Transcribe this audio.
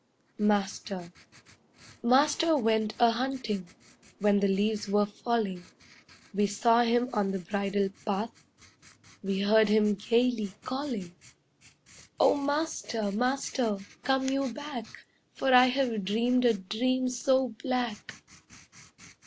MASTER Master went a hunting, When the leaves were falling; We saw him on the bridle path, We heard him gaily calling. 'Oh master, master, come you back, For I have dreamed a dream so black!